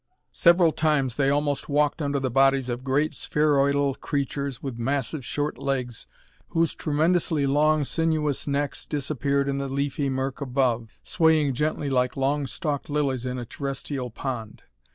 Several times they almost walked under the bodies of great, spheroidal creatures with massive short legs, whose tremendously long, sinuous necks disappeared in the leafy murk above, swaying gently like long stalked lilies in a terrestial pond.